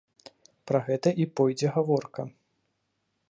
Пра гэта і пойдзе гаворка.